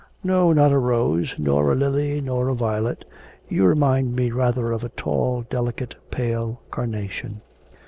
No, not a rose, nor a lily, nor a violet; you remind me rather of a tall, delicate, pale carnation....'